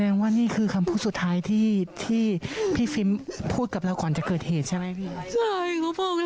ว่านี่คือคำพูดสุดท้ายที่พี่ฟิล์มพูดกับเราก่อนจะเกิดเหตุใช่ไหมพี่